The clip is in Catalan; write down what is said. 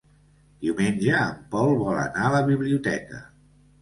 Diumenge en Pol vol anar a la biblioteca.